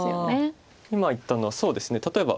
今言ったのはそうですね例えば。